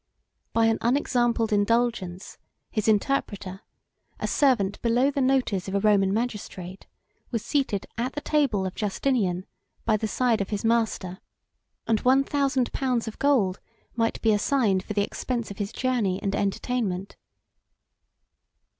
89 By an unexampled indulgence, his interpreter, a servant below the notice of a Roman magistrate, was seated, at the table of Justinian, by the side of his master: and one thousand pounds of gold might be assigned for the expense of his journey and entertainment.